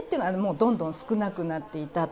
どんどん少なくなっていたと。